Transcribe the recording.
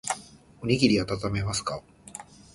おにぎりあたためますか